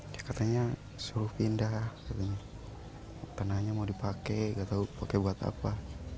dia katanya suruh pindah katanya pernah mau dipake gak tau pake buat apa